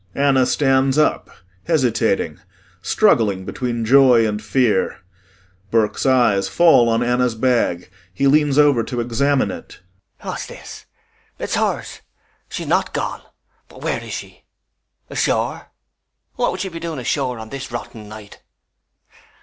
[ANNA stands up, hesitating, struggling between joy and fear. BURKE'S eyes fall on ANNA'S bag. He leans over to examine it.] What's this? [Joyfully.] It's hers. She's not gone! But where is she? Ashore? [Darkly.] What would she be doing ashore on this rotten night?